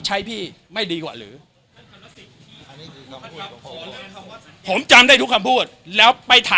ถ้าพี่พูดต่อหน้าประชาชนสังคมทั้งประเทศถ้าพี่เป็นแบบนี้พูดอย่างนี้แล้วไม่ใช่